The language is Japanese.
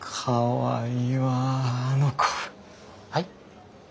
はい？